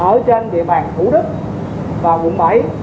ở trên địa bàn thủ đức và quận bảy